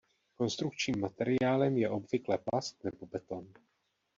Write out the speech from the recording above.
Konstrukčním materiálem je obvykle plast nebo beton.